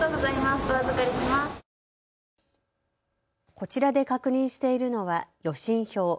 こちらで確認しているのは予診票。